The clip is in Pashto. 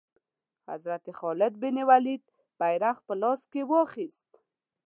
حضرت خالد بن ولید بیرغ په لاس کې واخیست.